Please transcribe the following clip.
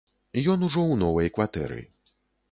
Ён ужо ў новай кватэры.